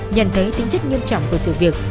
nhận thấy tính chất nghiêm trọng của sự việc